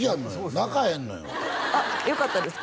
鳴かへんのよよかったですか？